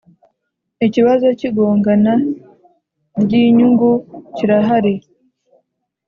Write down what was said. ikibazo cy igongana ry inyungucyirahari